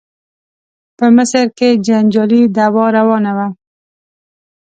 په مصر کې جنجالي دعوا روانه وه.